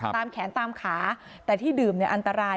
ตามแขนตามขาแต่ที่ดื่มเนี่ยอันตราย